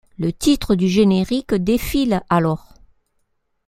Le titre du générique défile alors.